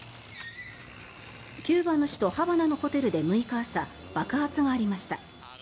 キューバの首都ハバナのホテルで６日朝、爆発がありました。